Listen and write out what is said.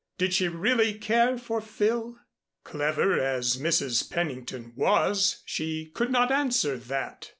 Did she really care for Phil? Clever as Mrs. Pennington was, she could not answer that.